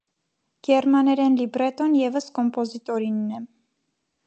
Գերմաներեն լիբրետոն ևս կոմպոզիտորինն է։